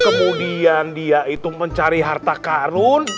kemudian dia itu mencari harta karun